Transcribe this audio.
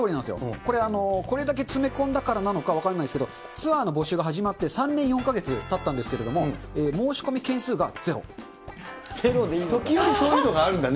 これ、これだけ詰め込んだからなのか分からないですけど、ツアーの募集が始まって３年４か月たったんですけれども、申し込時折そういうのがあるんだね。